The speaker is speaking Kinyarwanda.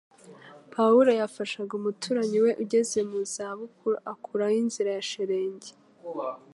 Pawulo yafashaga umuturanyi we ugeze mu za bukuru akuraho inzira ya shelegi